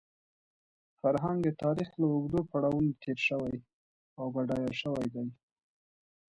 فرهنګ د تاریخ له اوږدو پړاوونو تېر شوی او بډایه شوی دی.